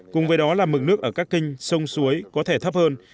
cùng với đó là mực nước ở các kênh sông suối có thể thấp hơn